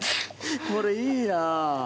これいいな。